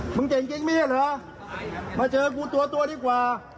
มึงเจ๋งจริงแม่เหรอมาเจอกูตัวดีกว่า